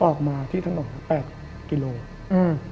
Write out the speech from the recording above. ออกมาที่ถนน๘กิโลกรัม